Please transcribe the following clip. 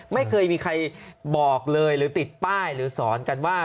ไม่เคยมีใครบอกเลยหรือติดป้ายหรือสอนกันว่า